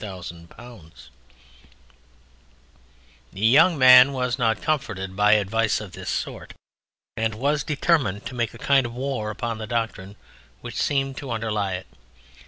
The Young Man was not comforted by advice of this sort, and was determined to make a kind of war upon the doctrine which seemed to underlie it.